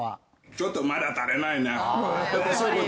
ちょっとまだ足りないな。